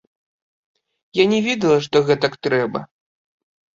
Я не ведала, што гэтак трэба.